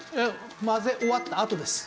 混ぜ終わったあとです。